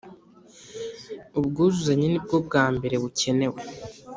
Ubwuzuzanye nibwo bwa mbere bucyenewe